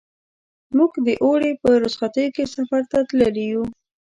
موږ د اوړي په رخصتیو کې سفر ته تللي وو.